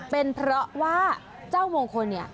เป็นเพราะว่าเจ้ามงคลเนี่ย